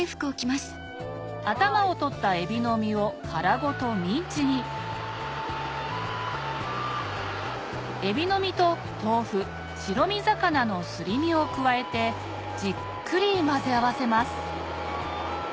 頭を取ったえびの身を殻ごとミンチにえびの身と豆腐白身魚のすり身を加えてじっくり混ぜ合わせます